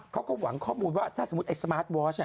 เขาก็หวังข้อมูลว่าถ้าสมมุติไอ้สมาร์ทวอร์ช